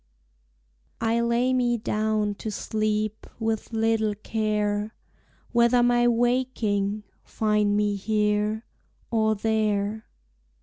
I lay me down to sleep, With little care Whether my waking find Me here, or there.